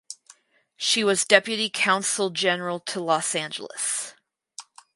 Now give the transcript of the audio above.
She was deputy consul general to Los Angeles.